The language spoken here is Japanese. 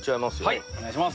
はいお願いします。